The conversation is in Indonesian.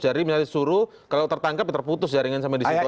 jadi misalnya disuruh kalau tertangkap ya terputus jaringan sampai disitu aja